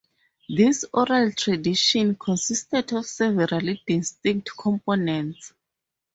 This oral tradition consisted of several distinct components.